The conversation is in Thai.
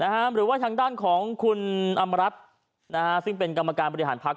หรือว่าทางด้านของคุณอำรัฐซึ่งเป็นกรรมการบริหารพักษ